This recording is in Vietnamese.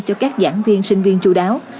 cho các giảng viên sinh viên chú đáo